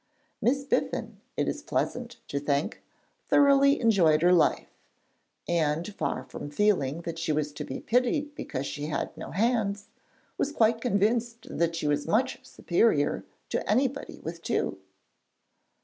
Miss Biffin, it is pleasant to think, thoroughly enjoyed her life, and, far from feeling that she was to be pitied because she had no hands, was quite convinced that she was much superior to anybody with two.